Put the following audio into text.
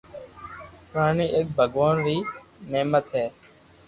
پڙائي ايڪ ڀگوان ري نعمت ھي